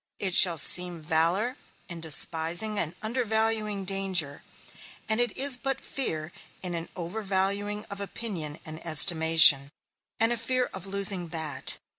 It shall seem valour in despising and undervaluing danger; and it is but fear in an overvaluing of opinion and estimation, and a fear of losing that.